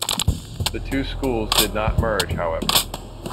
The two schools did not merge, however.